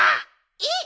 えっ？